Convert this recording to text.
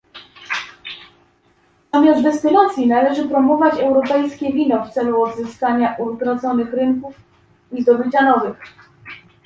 Zamiast destylacji należy promować europejskie wino w celu odzyskania utraconych rynków i zdobycia nowych